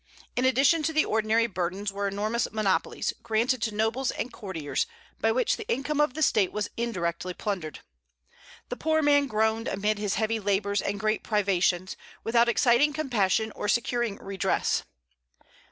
In addition to the ordinary burdens were enormous monopolies, granted to nobles and courtiers, by which the income of the State was indirectly plundered. The poor man groaned amid his heavy labors and great privations, without exciting compassion or securing redress.